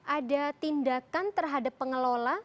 ada tindakan terhadap pengelola